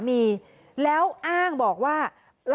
ไม่รู้จริงว่าเกิดอะไรขึ้น